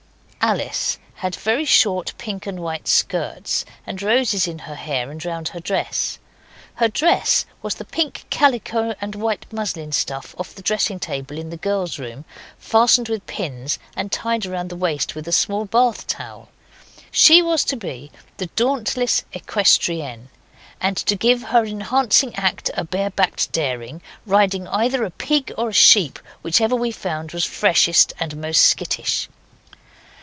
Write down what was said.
Alice had very short pink and white skirts, and roses in her hair and round her dress. Her dress was the pink calico and white muslin stuff off the dressing table in the girls' room fastened with pins and tied round the waist with a small bath towel. She was to be the Dauntless Equestrienne, and to give her enhancing act a barebacked daring, riding either a pig or a sheep, whichever we found was freshest and most skittish.